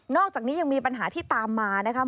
อกจากนี้ยังมีปัญหาที่ตามมานะครับ